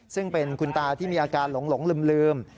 ซึ่งเป็นคุณตาที่มีอาการหลงลืม